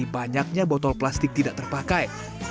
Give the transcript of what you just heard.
banyaknya botol plastik tidak terpakai